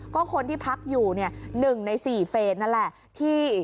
ก็คนที่พักอยู่๑ใน๔เฟสนั่นแหละที่